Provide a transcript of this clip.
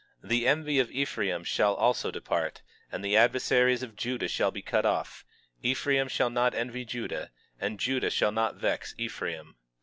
21:13 The envy of Ephraim also shall depart, and the adversaries of Judah shall be cut off; Ephraim shall not envy Judah, and Judah shall not vex Ephraim.